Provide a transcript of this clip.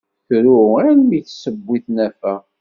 Tru almi tt-tiwi tnafa.